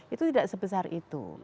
itu tidak sebesar itu